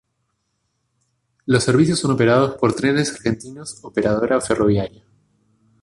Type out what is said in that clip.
Los servicios son operados por Trenes Argentinos Operadora Ferroviaria.